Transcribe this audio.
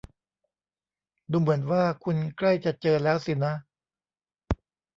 ดูเหมือนว่าคุณใกล้จะเจอแล้วสินะ